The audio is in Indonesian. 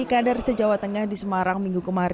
mempertahankan dan memperjuangkan